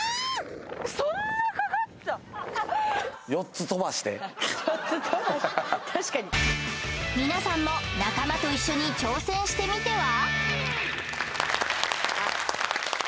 ４つ飛ばして確かに皆さんも仲間と一緒に挑戦してみては？